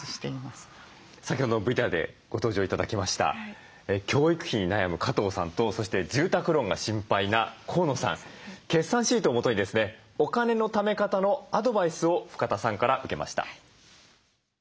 先ほどのＶＴＲでご登場頂きました教育費に悩む加藤さんとそして住宅ローンが心配な河野さん決算シートをもとにですねお金のため方のアドバイスを深田さんから受けました。